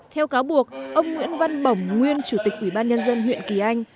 theo cáo buộc ông nguyễn văn bồng nguyên chủ tịch ubnd huyện kỳ anh